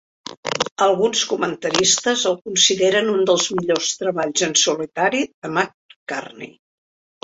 Alguns comentaristes el consideren un dels millors treballs en solitari de McCartney.